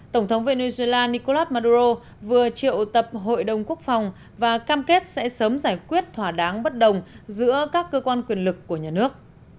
tổng thống venezuela nicolas maduro vừa triệu tập hội đồng quốc phòng và cam kết sẽ sớm giải quyết thỏa đáng bất đồng giữa các cơ quan quyền lực của nhà nước